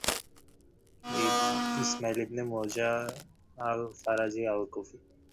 বলেছিলাম না, সে তোমার বোনের সাথে ডেটে গিয়েছিল!